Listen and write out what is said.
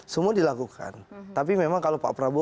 semua dilakukan tapi memang kalau pak prabowo